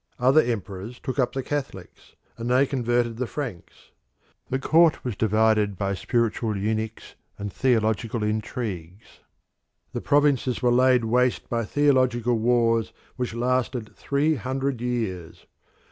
Other emperors took up the Catholics, and they converted the Franks. The court was divided by spiritual eunuchs and theological intrigues: the provinces were laid waste by theological wars which lasted three hundred years.